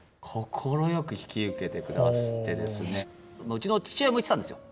うちの父親も言ってたんですよ